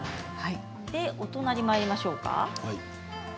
お隣にまいりましょうか。